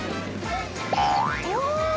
お！